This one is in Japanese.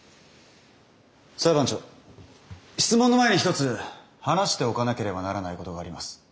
裁判長質問の前に一つ話しておかなければならないことがあります。